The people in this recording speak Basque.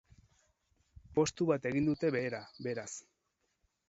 Postu bat egin dute behera, beraz.